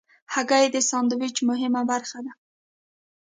هګۍ د سندویچ مهمه برخه ده.